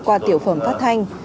qua tiểu phẩm phát thanh